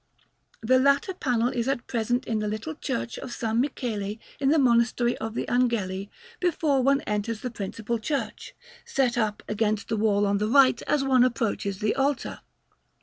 The latter panel is at present in the little Church of S. Michele in the Monastery of the Angeli, before one enters the principal church, set up against the wall on the right as one approaches the altar.